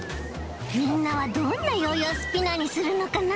みんなはどんなヨーヨースピナーにするのかな？